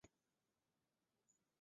汉景帝时一度改称中大夫令。